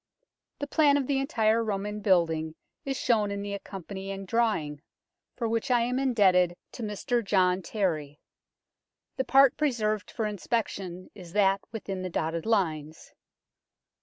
The plan of the entire Roman building is shown in the accompanying drawing, for which I am indebted to Mr John Terry. The part preserved for inspection is that within the dotted lines.